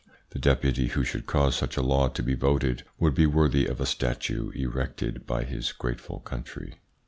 The Deputy who should cause such a law to be voted would be worthy of a statue erected by his grateful country.